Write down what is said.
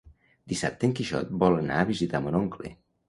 Dissabte en Quixot vol anar a visitar mon oncle.